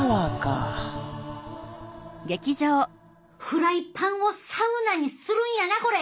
フライパンをサウナにするんやなこれ！